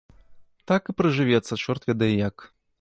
Так і пражывецца чорт ведае як.